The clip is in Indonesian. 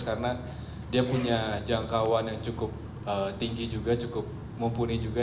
karena dia punya jangkauan yang cukup tinggi juga cukup mumpuni juga